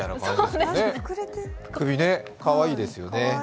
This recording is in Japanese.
かわいいですよね。